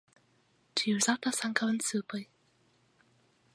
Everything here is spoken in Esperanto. Ĝi uzatas ankaŭ en supoj.